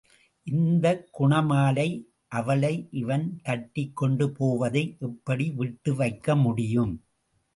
இந்தக் குணமாலை அவளை இவன் தட்டிக் கொண்டு போவதை எப்படி விட்டு வைக்க முடியும்.